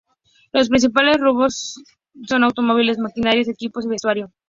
Los principales rubros son automóviles, maquinarias, equipos y vestuario.